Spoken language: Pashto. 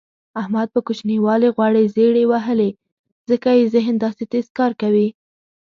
احمد په کوچینوالي غوړې زېړې وهلي ځکه یې ذهن داسې تېز کار کوي.